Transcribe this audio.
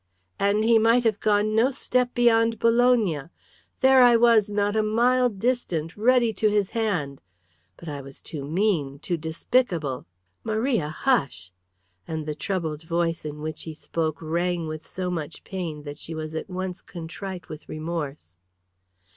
"And he might have gone no step beyond Bologna. There was I not a mile distant ready to his hand! But I was too mean, too despicable " "Maria, hush!" And the troubled voice in which he spoke rang with so much pain that she was at once contrite with remorse.